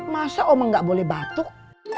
masa oma gak boleh batuk